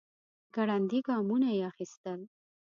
ګړندي ګامونه يې اخيستل.